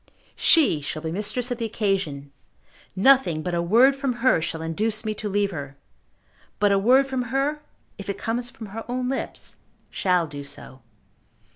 She shall be mistress of the occasion. Nothing but a word from her shall induce me to leave her; but a word from her, if it comes from her own lips, shall do so."